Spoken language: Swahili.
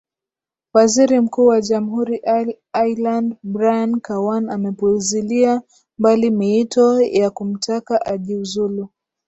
waziri mkuu wa jamhuri ireland brian kawan amepuzilia mbali miito ya kumtaka ajiuzulu